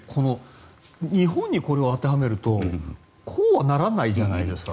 日本にこれを当てはめるとこうはならないじゃないですか。